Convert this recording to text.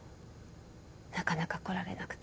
なかなか来られなくて。